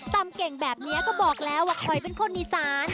เก่งแบบนี้ก็บอกแล้วว่าคอยเป็นคนอีสาน